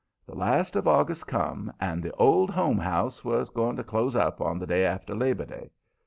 The last of August come and the "Old Home House" was going to close up on the day after Labor Day.